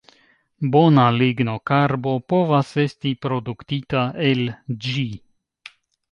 Bona lignokarbo povas esti produktita el ĝi.